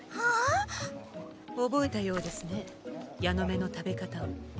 覚えたようですねヤノメの食べ方を。